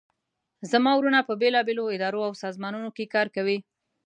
زما وروڼه په بیلابیلو اداراو او سازمانونو کې کار کوي